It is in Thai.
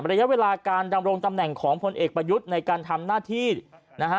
ระยะเวลาการดำรงตำแหน่งของพลเอกประยุทธ์ในการทำหน้าที่นะฮะ